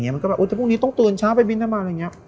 ว่าพรุ่งนี้ต้องตื่นช้าไปบินได้มา